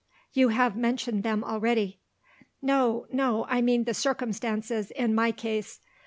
"You have mentioned them already." "No! no! I mean the circumstances, in my case."